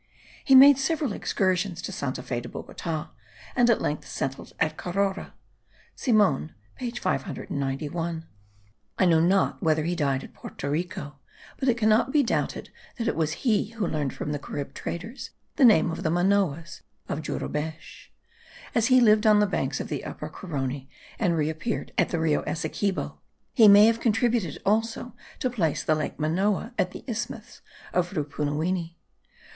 He made several excursions to Santa Fe de Bogota, and at length settled at Carora. (Simon page 591). I know not whether he died at Porto Rico; but it cannot be doubted that it was he who learned from the Carib traders the name of the Manoas [of Jurubesh]. As he lived on the banks of the Upper Carony and reappeared by the Rio Essequibo, he may have contributed also to place the lake Manoa at the isthmus of Rupunuwini.